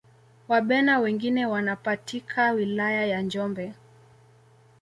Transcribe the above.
wabena wengine wanapatika wilaya ya njombe